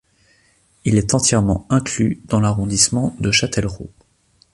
Il est entièrement inclus dans l'arrondissement de Châtellerault.